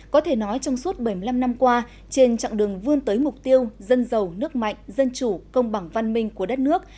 có thể nói trong suốt bảy mươi năm năm qua trên chặng đường vươn tới mục tiêu dân giàu nước mạnh dân chủ công bằng văn minh của đất nước